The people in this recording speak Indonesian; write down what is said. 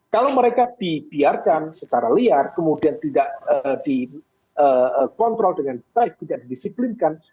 kalau mereka dibiarkan secara liar kemudian tidak dikontrol dengan baik tidak didisiplinkan